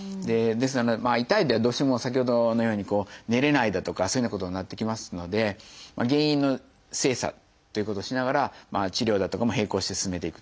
ですのでまあ痛いとどうしても先ほどのように寝れないだとかそういうようなことになってきますので原因の精査ということをしながら治療だとかも並行して進めていくと。